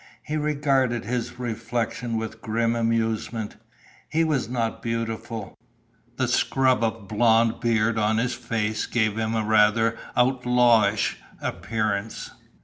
He regarded his reflection with grim amusement. He was not beautiful. The scrub of blond beard on his face gave him rather an outlawish appearance.